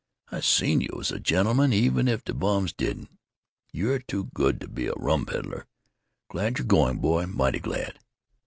I seen you was a gentleman, even if de bums didn't. You're too good t' be a rum peddler. Glad y're going, boy, mighty glad.